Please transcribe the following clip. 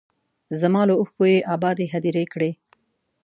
زما له اوښکو یې ابادې هدیرې کړې